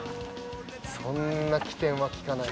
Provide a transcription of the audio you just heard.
そんな機転はきかない。